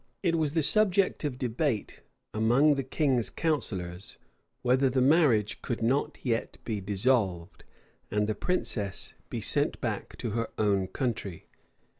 It was the subject of debate among the king's counsellors, whether the marriage could not yet be dissolved, and the princess be sent back to her own country.